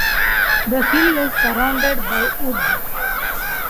The hill is surrounded by woods.